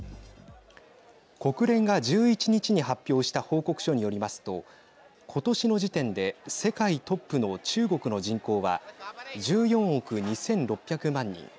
国連が１１日に発表した報告書によりますとことしの時点で世界トップの中国の人口は１４億２６００万人。